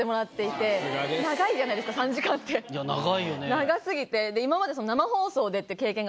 長すぎて今まで。